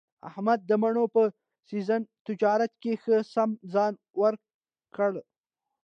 احمد د مڼو په سږني تجارت کې ښه سم ځان ورک کړ.